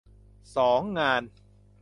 สอง งาน